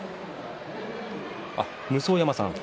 武双山さん。